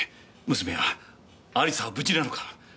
娘は亜里沙は無事なのか？